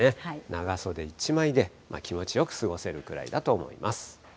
長袖１枚で気持ちよく過ごせるくらいだと思います。